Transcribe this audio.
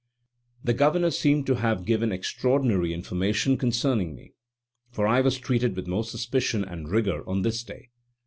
The Governor seemed to have given extraordinary information concerning me, for I was treated with more suspicion and rigor on this day.